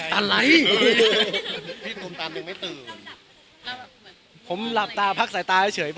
อะไรยังไม่ตื่น